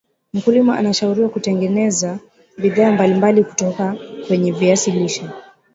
mkulima anashauriwa kutengeneza bidhaa mbalimbali kutoka kwenye viazi lishe